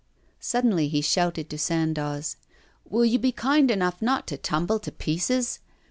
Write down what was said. Suddenly he shouted to Sandoz, 'Will you be kind enough not to tumble to pieces?